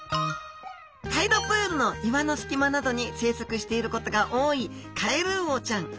タイドプールの岩のすき間などに生息していることが多いカエルウオちゃん。